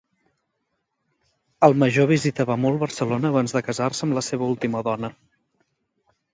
El major visitava molt Barcelona abans de casar-se amb la seva última dona.